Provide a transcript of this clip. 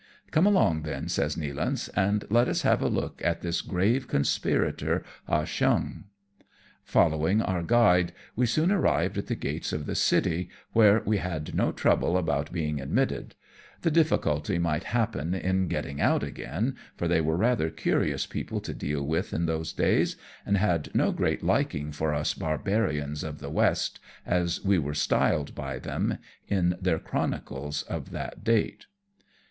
"Come along then/' says Nealance, "and let us have a look at this grave conspirator, Ah Cheong." Following our guide we soon arrived at the gates of the city, where we had no trouble about being admitted ; the difficulty might happen in getting out again, for they were rather curious people to deal with in those days, and had no great liking for us Barbarians of the West, as we were styled by them in their chronicles of that date.